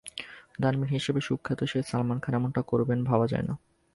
দানবীর হিসেবে সুখ্যাত সেই সালমান খান এমনটা করবেন ভাবা যায় না।